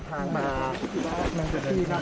หลังจากที่สุดยอดเย็นหลังจากที่สุดยอดเย็น